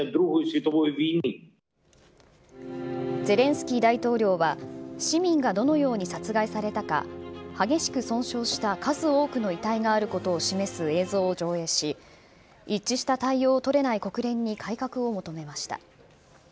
ゼレンスキー大統領は市民がどのように殺害されたか激しく損傷した数多くの遺体があることを示す映像を上映し一致した対応を取れない国連に改革を求めました。